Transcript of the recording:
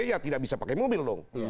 ya tidak bisa pakai mobil dong